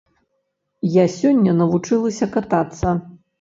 Я сёння навучылася катацца.